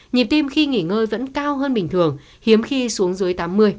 nhịp tim khi nghỉ ngơi vẫn cao hơn bình thường hiếm khi xuống dưới tám mươi